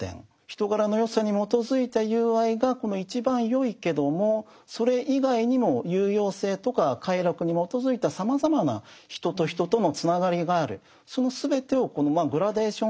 人柄の善さに基づいた友愛が一番よいけどもそれ以外にも有用性とか快楽に基づいたさまざまな人と人とのつながりがある。